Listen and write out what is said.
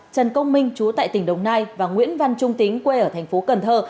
trần công minh chú tại tỉnh đồng nai và nguyễn văn trung tính quê ở thành phố cần thơ